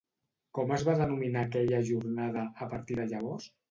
Com es va denominar aquella jornada, a partir de llavors?